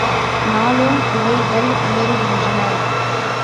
நாளும் விலைகள் உயருகின்றன.